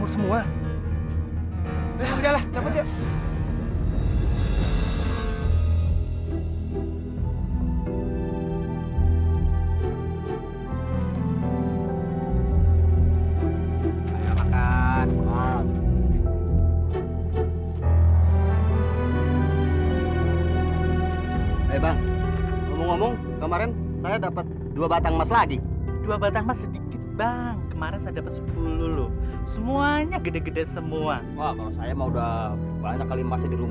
semua akan terburu buru